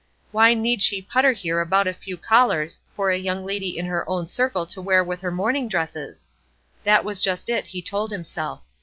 Why need she putter here about a few collars for a young lady in her own circle to wear with her morning dresses? That was just it, he told himself.